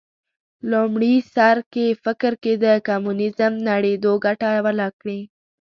لومړي سر کې فکر کېده کمونیزم نړېدو ګټه وکړي